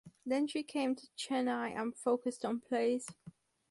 Then she came to Chennai and focused on plays.